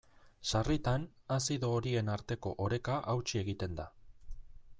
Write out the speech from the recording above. Sarritan, azido horien arteko oreka hautsi egiten da.